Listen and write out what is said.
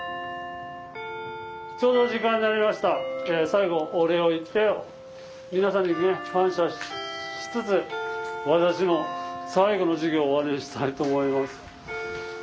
最後お礼を言って皆さんに感謝しつつ私の最後の授業を終わりにしたいと思います。